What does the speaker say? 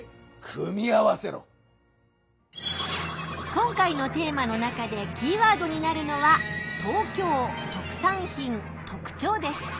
今回のテーマの中でキーワードになるのは「東京」「特産品」「特徴」です。